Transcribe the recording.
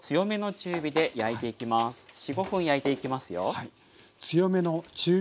４５分焼いていきますよ。